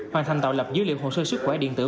hoàn thành tạo lập dữ liệu hồ sơ sức khỏe điện tử